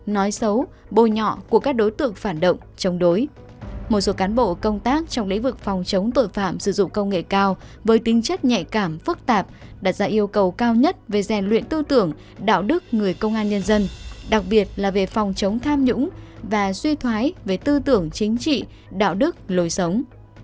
một số cán bộ công tác trong lĩnh vực phòng chống tội phạm sử dụng công nghệ cao với tính chất nhạy cảm phức tạp đặt ra yêu cầu cao nhất về rèn luyện tư tưởng đạo đức người công an nhân dân đặc biệt là về phòng chống tham nhũng và suy thoái về tư tưởng chính trị đạo đức lối sống